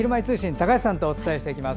高橋さんとお伝えします。